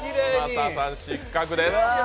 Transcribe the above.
嶋佐さん失格です。